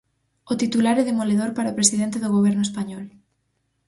O titular é demoledor para o presidente do Goberno español.